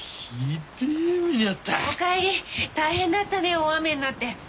大変だったね大雨になって。